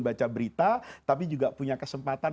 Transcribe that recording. baca berita tapi juga punya kesempatan